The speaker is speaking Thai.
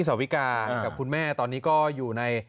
สาวิกากับคุณแม่ตอนนี้ก็อยู่ใน